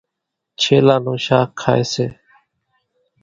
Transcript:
ڇيلا نون شاک کائيَ سي۔